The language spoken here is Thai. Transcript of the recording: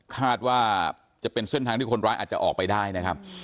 คาดว่าจะเป็นเส้นทางที่คนร้ายอาจจะออกไปได้นะครับ